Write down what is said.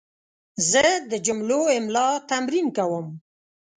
زه د جملو املا تمرین کوم.